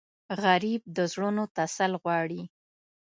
غریب د زړونو تسل غواړي